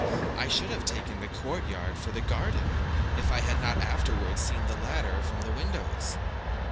I should have taken the court yard for the garden, if I had not afterwards seen the latter from the windows.